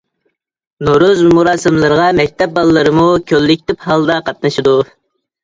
«نورۇز» مۇراسىملىرىغا مەكتەپ بالىلىرىمۇ كوللېكتىپ ھالدا قاتنىشىدۇ.